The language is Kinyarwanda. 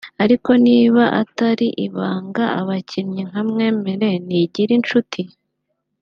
Ariko niba atari ibanga abakinnyi nka Mwemere Nigirinshuti